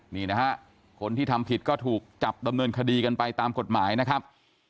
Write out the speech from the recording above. นี่นะฮะคนที่ทำผิดก็ถูกจับดำเนินคดีกันไปตามกฎหมายนะครับ